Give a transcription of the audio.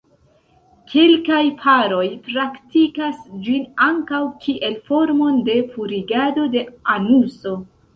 Kelkaj paroj praktikas ĝin ankaŭ kiel formon de purigado de anuso.